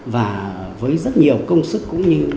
và với rất nhiều công sức cũng như